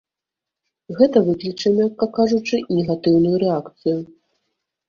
Гэта выкліча, мякка кажучы, негатыўную рэакцыю.